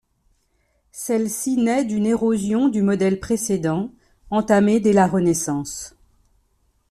Celle-ci naît d’une érosion du modèle précédent, entamée dès la Renaissance.